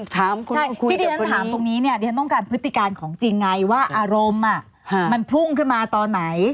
ถ้าถามตรงนี้ฉันต้องการพฤติการณ์ของจริงว่าอารมณ์มันพุ่งขึ้นมาตอนไหน